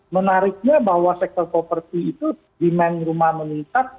menariknya bahwa sektor properti itu demand rumah meningkat mulai ada peningkatan gitu ya